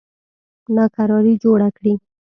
ناکراري جوړه کړي.